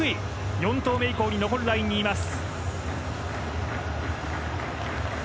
４投目以降に残るラインにいます。